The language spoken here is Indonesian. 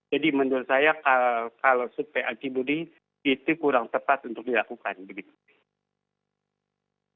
jadi menurut saya kalau survei antibody itu kurang tepat untuk dilakukan